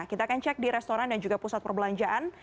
kita akan cek di restoran dan juga pusat perbelanjaan